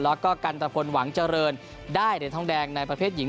แล้วก็กันตะพลหวังเจริญได้เหรียญทองแดงในประเภทหญิง